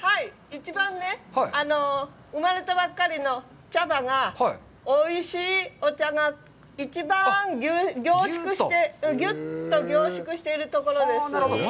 一番、生まれたばっかりの茶葉がおいしいお茶が一番凝縮して、ぎゅっと凝縮しているところです。